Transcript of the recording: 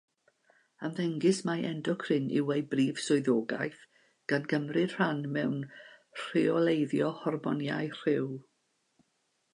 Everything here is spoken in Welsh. Ymddengys mai endocrin yw ei brif swyddogaeth, gan gymryd rhan mewn rheoleiddio hormonau rhyw.